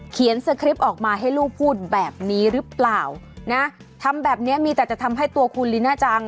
สคริปต์ออกมาให้ลูกพูดแบบนี้หรือเปล่านะทำแบบนี้มีแต่จะทำให้ตัวคุณลีน่าจัง